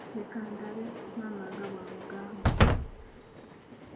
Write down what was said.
Leka ndabe, maama nga bw'amugamba.